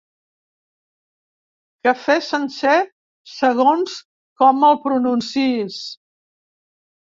Cafè sencer, segons com el pronuncïis.